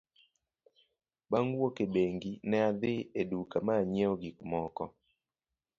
Bang' wuok e bengi, nene adhi e duka ma anyiewo gik moko .